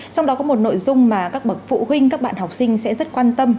trong đó có một nội dung mà các bậc phụ huynh các bạn học sinh sẽ rất quan tâm